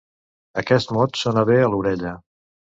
Aquest mot sona bé a l'orella.